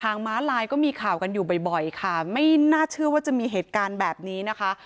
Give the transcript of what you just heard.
ม้าลายก็มีข่าวกันอยู่บ่อยค่ะไม่น่าเชื่อว่าจะมีเหตุการณ์แบบนี้นะคะ